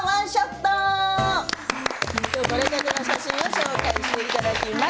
撮れたての写真を紹介していただきます。